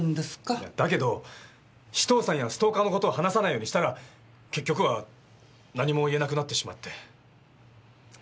だけど紫藤さんやストーカーの事を話さないようにしたら結局は何も言えなくなってしまって。